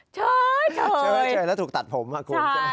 เฉยแล้วถูกตัดผมคุณ